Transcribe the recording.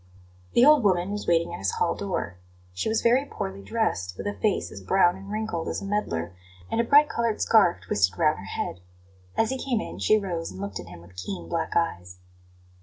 The old woman was waiting at his hall door. She was very poorly dressed, with a face as brown and wrinkled as a medlar, and a bright coloured scarf twisted round her head. As he came in she rose and looked at him with keen black eyes.